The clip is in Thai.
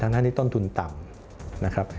ทั้งที่ต้นทุนต่ำ